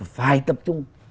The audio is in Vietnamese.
phải tập trung